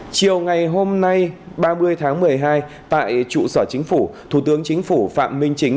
chiều ngày hôm nay ba mươi tháng một mươi hai tại trụ sở chính phủ thủ tướng chính phủ phạm minh chính